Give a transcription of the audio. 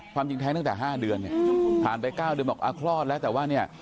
ความจริงแท้งตั้งแต่๕เดือนเนี่ยผ่านไป๙เดือนบอกคลอดแล้วแต่ว่าเนี่ย